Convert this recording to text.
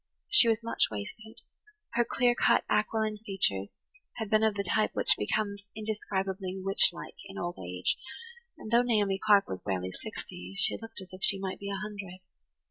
She was much wasted; her clear cut, aquiline features had been of the type which becomes indescribably witch like in old age, and, though Naomi Clark was barely sixty, she looked as if she might be a hundred.